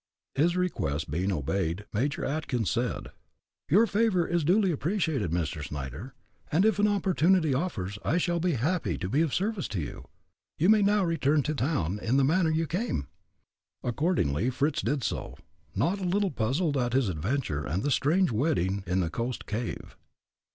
His request being obeyed, Major Atkins said: "Your favor is duly appreciated, Mr. Snyder, and, if an opportunity offers, I shall be happy to be of service to you. You may now return to town in the manner you came." Accordingly, Fritz did so, not a little puzzled at his adventure and the strange wedding in the coast cave.